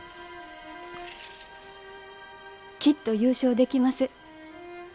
きっと優勝できます。